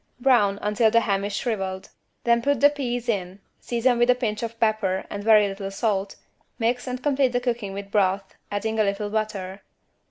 Brown until the ham is shrivelled; then put the peas in, season with a pinch of pepper and very little salt, mix and complete the cooking with broth, adding a little butter.